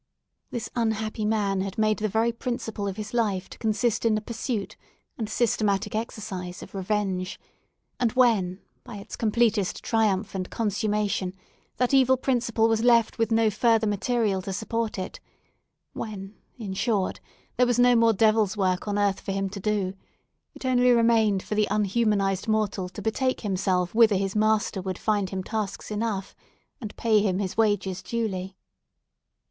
This unhappy man had made the very principle of his life to consist in the pursuit and systematic exercise of revenge; and when, by its completest triumph consummation that evil principle was left with no further material to support it—when, in short, there was no more Devil's work on earth for him to do, it only remained for the unhumanised mortal to betake himself whither his master would find him tasks enough, and pay him his wages duly.